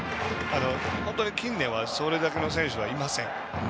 近年にそれだけの選手はいません。